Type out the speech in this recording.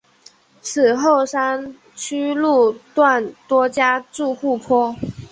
此后山区路段多加筑护坡。